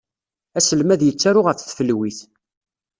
Aselmad yettaru ɣef tfelwit.